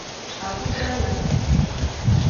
Abu darila sima.